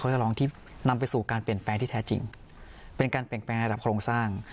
จะลองที่นำไปสู่การเปลี่ยนแปลงที่แท้จริงเป็นการเปลี่ยนแปลงระดับโครงสร้าง